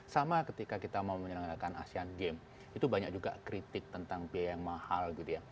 sama ketika kita mau menyelenggarakan asean games itu banyak juga kritik tentang biaya yang mahal gitu ya